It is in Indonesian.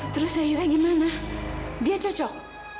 terus zahira gimana dia cocok